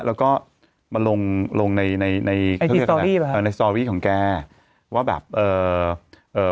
แล้วก็มาลงลงในในในในในของแกว่าแบบเอ่อเอ่อ